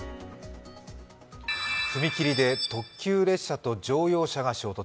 踏切で特急列車と乗用車が衝突。